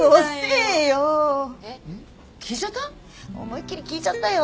思いっ切り聞いちゃったよ。